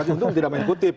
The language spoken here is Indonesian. untung tidak main kutip